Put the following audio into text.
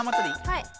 はい。